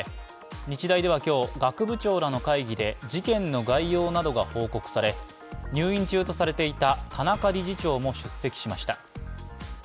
日大では今日、学部長らの会議で事件の概要などが報告され入院中とされていた田中理事長も出席しました。